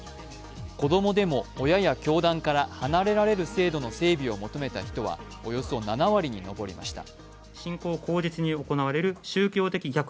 子供でも親や教団から離れられる制度を求めた人はおよそ７割に上りました。